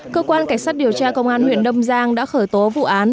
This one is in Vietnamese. cơ quan cảnh sát điều tra công an huyện đâm giang đã khởi tố vụ án